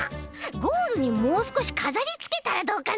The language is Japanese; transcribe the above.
ゴールにもうすこしかざりつけたらどうかな？